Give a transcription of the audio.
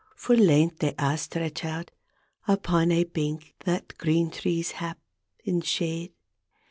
Fu' length they a' sttetch out Upon ae bink that green trees hap In shade.